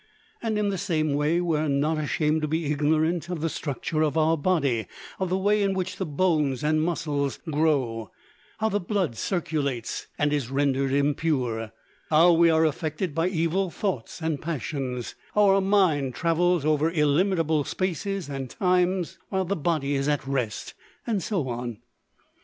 And in the same way, we are not ashamed to be ignorant of the structure of our body, of the way in which the bones and muscles, grow, how the blood circulates and is rendered impure, how we are affected by evil thoughts and passions, how our mind travels over illimitable spaces and times while the body is at rest, and so on.